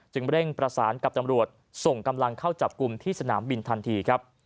เร่งประสานกับตำรวจส่งกำลังเข้าจับกลุ่มที่สนามบินทันทีครับ